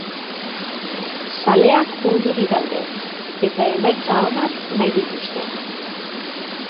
Zaleak urduri daude, eta emaitza onak nahi dituzte.